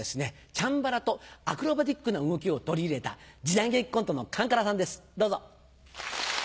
チャンバラとアクロバティックな動きを取り入れた時代劇コントのカンカラさんですどうぞ！